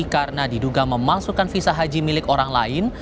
karena diduga memalsukan visa haji milik orang lain